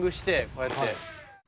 こうやって。